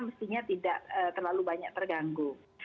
mestinya tidak terlalu banyak terganggu